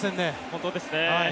本当ですね。